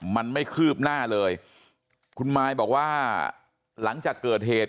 มันไม่คืบหน้าเลยคุณมายบอกว่าหลังจากเกิดเหตุ